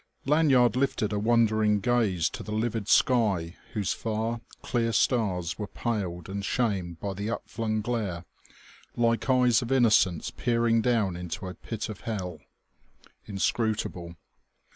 Lanyard lifted a wondering gaze to the livid sky whose far, clear stars were paled and shamed by the up flung glare, like eyes of innocence peering down into a pit of hell. Inscrutable!